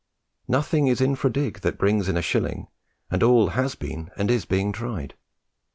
Nothing is infra dig. that brings in a shilling, and all has been and is being tried.